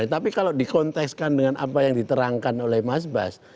tapi kalau dikonteskan dengan apa yang diterangkan oleh mas bas